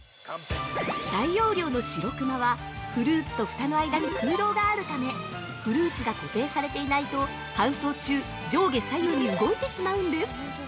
◆大容量の「しろくま」はフルーツと蓋の間に空洞があるため、フルーツが固定されていないと搬送中、上下左右に動いてしまうんです。